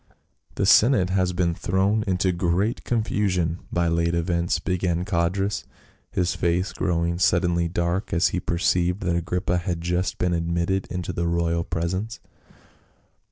" The senate has been thrown into great confusion by late events," began Codrus, his face growing sud denly dark as he perceived that Agrippa had just been admitted into the royal presence.